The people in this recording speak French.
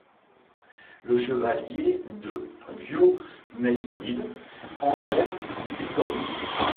Le chevalier de Viomesnil enlève Bigorno.